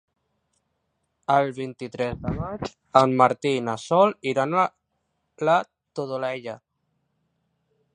El vint-i-tres de maig en Martí i na Sol iran a la Todolella.